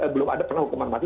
belum ada pernah hukuman mati